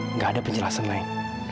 nggak ada penjelasan lain